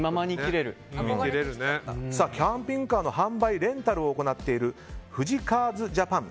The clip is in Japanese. キャンピングカーの販売レンタルを行っているフジカーズジャパン